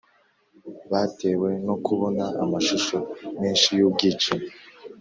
batewe no kubona amashusho menshi y'ubwicanyi